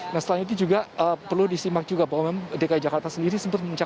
nah selain itu juga perlu disimak juga bahwa memang dki jakarta sendiri